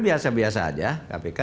biasa biasa aja kpk